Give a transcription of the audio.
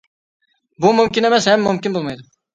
بۇ مۇمكىن ئەمەس ھەم مۇمكىن بولمايدۇ.